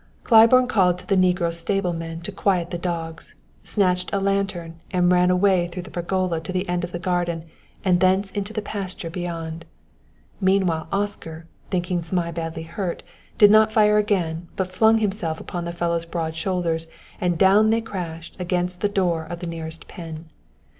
Claiborne called to the negro stable men to quiet the dogs, snatched a lantern, and ran away through the pergola to the end of the garden and thence into the pasture beyond. Meanwhile Oscar, thinking Zmai badly hurt, did not fire again, but flung himself upon the fellow's broad shoulders and down they crashed against the door of the nearest pen.